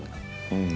うん。